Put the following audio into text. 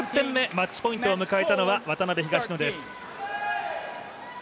マッチポイントを迎えたのは渡辺・東野です。